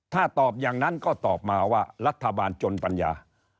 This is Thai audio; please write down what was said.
ถ้าตอบอย่างนั้นก็ตอบมาว่ารัฐบาลจนปัญญา